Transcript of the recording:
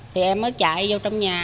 thì em mới chạy vô trong nhà